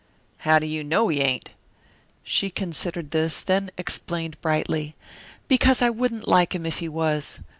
"How do you know he ain't?" She considered this, then explained brightly, "Because I wouldn't like him if he was.